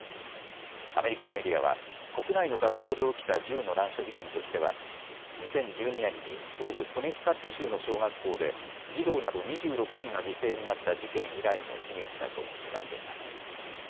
アメリカのメディアは国内の学校で起きた銃の乱射事件としては２０１２年に東部コネティカット州の小学校で児童など２６人が犠牲になった事件以来の悲劇だと伝えています。